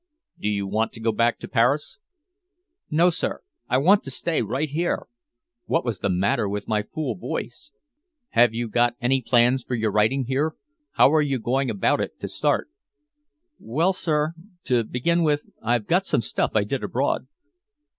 "Do you want to go back to Paris?" "No, sir! I want to stay right here!" What was the matter with my fool voice? "Have you got any plans for your writing here? How are you going about it to start?" "Well, sir, to begin with I've got some stuff I did abroad."